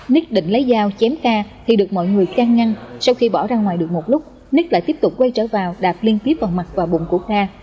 ních định lấy dao chém ca thì được mọi người can ngăn sau khi bỏ ra ngoài được một lúc nít lại tiếp tục quay trở vào đạp liên tiếp vào mặt và bụng của kha